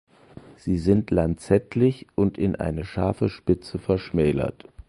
Sie sind lanzettlich und in eine scharfe Spitze verschmälert.